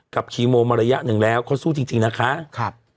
คีโมมาระยะหนึ่งแล้วเขาสู้จริงนะคะครับ